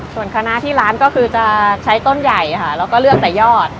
ส่วนคณะที่ร้านก็คือจะใช้ต้นใหญ่ค่ะแล้วก็เลือกแต่ยอด